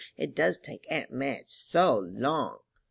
It does take aunt Madge so long."